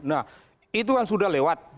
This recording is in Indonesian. nah itu yang sudah lewat